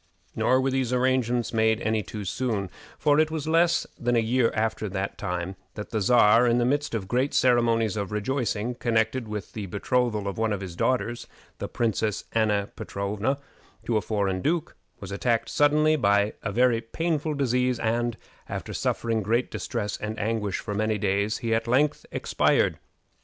Nor were these arrangements made any too soon; for it was in less than a year after that time that the Czar, in the midst of great ceremonies of rejoicing, connected with the betrothal of one of his daughters, the Princess Anna Petrowna, to a foreign duke, was attacked suddenly by a very painful disease, and, after suffering great distress and anguish for many days, he at length expired.